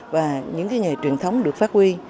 và những cái nghề truyền thống được phát huy